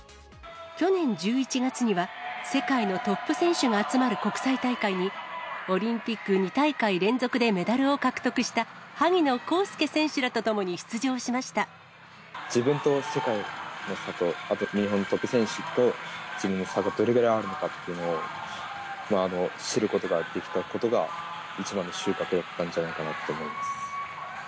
去年１１月には、世界のトップ選手が集まる国際大会に、オリンピック２大会連続でメダルを獲得した萩野公介選手らと共に自分と世界の差と、あと、日本トップ選手と、自分の差がどれぐらいあるのかっていうのを知ることができたことが、一番の収穫だったんじゃないかなと思います。